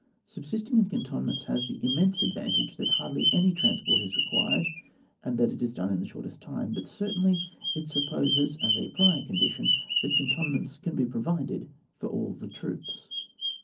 Subsisting in cantonments has the im mense advantage that iKirdly any trans port is required, and that it is done in the shortest time, but certainly it sup poses as a prior condition that canton ments can be provided for all the troops.